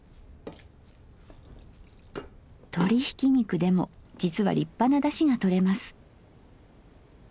鶏ひき肉でも実は立派なだしがとれます。